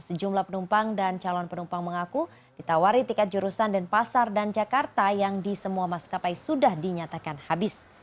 sejumlah penumpang dan calon penumpang mengaku ditawari tiket jurusan denpasar dan jakarta yang di semua maskapai sudah dinyatakan habis